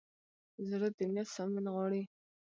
زړه د نیت سمون غواړي.